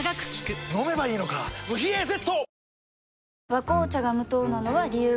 「和紅茶」が無糖なのは、理由があるんよ。